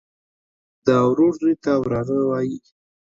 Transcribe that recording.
د ورور زوى ته وراره وايي.